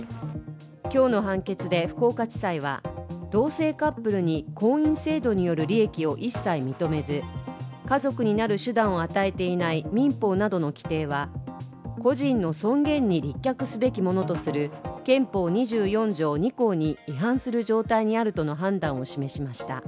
今日の判決で、福岡地裁は同性カップルに婚姻制度による利益を一切認めず、家族になる手段を与えていない民法などの規定は個人の尊厳に立脚すべきものとする憲法２４条２項に違反する状態にあるとの判断を示しました